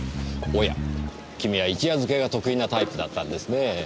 おや君は一夜漬けが得意なタイプだったんですね。